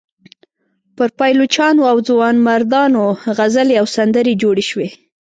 پر پایلوچانو او ځوانمردانو غزلې او سندرې جوړې شوې.